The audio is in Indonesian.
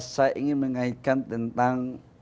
saya ingin mengahitkan tentang